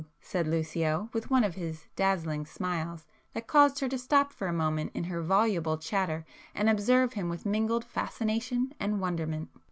said Lucio, with one of his dazzling smiles that caused her to stop for a moment in her voluble chatter and observe him with mingled fascination and wonderment.